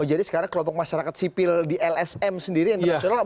jadi sekarang kelompok masyarakat sipil di lsm sendiri internasional